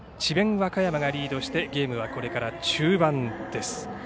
和歌山がリードしてゲームはこれから中盤です。